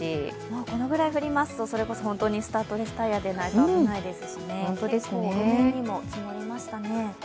このくらい降りますと本当にスタッドレスタイヤじゃないと危ないですし結構路面にも積もりましたね。